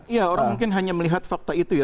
iya orang mungkin hanya melihat fakta itu ya